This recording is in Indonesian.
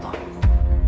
bukan adu otot